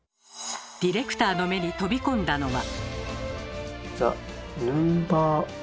ディレクターの目に飛び込んだのは。